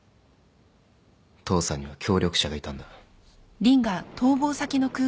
父さんには協力者がいたんだ。